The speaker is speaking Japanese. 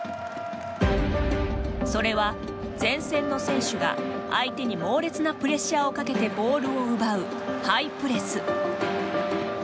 それは前線の選手が相手に猛烈なプレッシャーをかけてボールを奪うハイプレス。